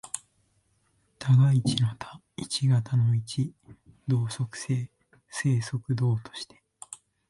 多が一の多、一が多の一、動即静、静即動として、